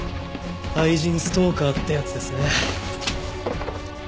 愛人ストーカーってやつですね。